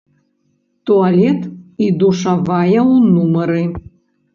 Туалет і душавая ў нумары.